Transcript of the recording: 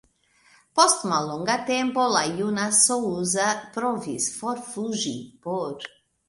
Post mallonga tempo, la juna Sousa provis forfuĝi por.